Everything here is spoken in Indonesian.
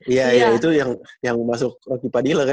iya iya itu yang yang masuk rocky padilla kan